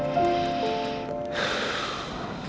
yang yang kita mismo